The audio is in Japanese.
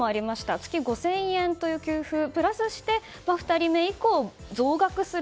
月５０００円という給付プラスして２人目以降、増額する。